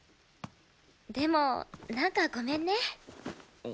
でもなんかごめんね。